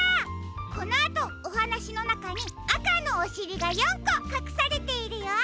このあとおはなしのなかにあかのおしりが４こかくされているよ。